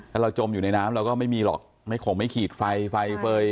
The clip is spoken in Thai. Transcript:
ถ้าเราจมอยู่ในน้ำเราก็ไม่มีหรอกไม่ขงไม่ขีดไฟไฟเฟย์